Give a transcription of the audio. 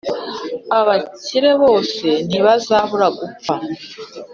Abakire bose ntibazabura gupfa.